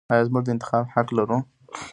آیا موږ د انتخاب حق نلرو؟